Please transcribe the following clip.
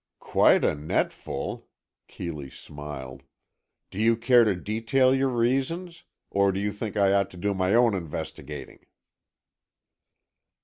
"Quite a net full," Keeley smiled. "Do you care to detail your reasons? Or do you think I ought to do my own investigating?"